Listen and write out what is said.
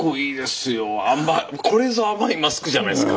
これぞ甘いマスクじゃないですか？